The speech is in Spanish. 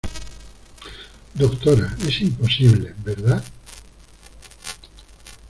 doctora, es imposible ,¿ verdad?